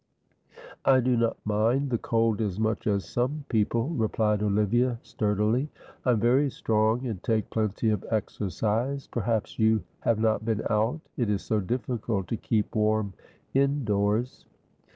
"I do not mind the cold as much as some people," replied Olivia, sturdily. "I am very strong and take plenty of exercise. Perhaps you have not been out; it is so difficult to keep warm indoors."